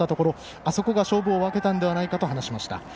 あそこが勝負を分けたのではと話しました。